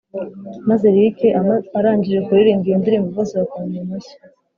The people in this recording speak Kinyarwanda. maze Luc arangije kuririmba iyo ndirimbo bose bakoma mu mashyi